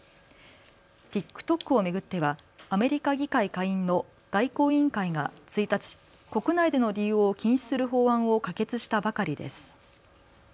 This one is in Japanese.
ＴｉｋＴｏｋを巡ってはアメリカ議会下院の外交委員会が１日、国内での利用を禁止する法案を可決したばかりです。